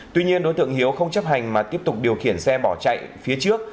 tuy nhiên đối tượng hiếu không chấp hành mà tiếp tục điều khiển xe bỏ chạy phía trước